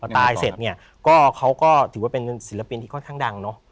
ตายเสร็จเนี่ยเขาก็ถูกว่าเป็นสีระปิญอนุคค่อนข้างดังนะ